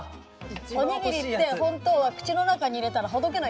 おにぎりって本当は口の中に入れたらほどけないといけないんですよ。